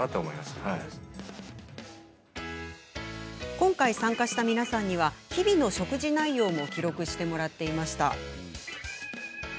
今回、参加した皆さんには日々の食事内容も記録してもらっていました。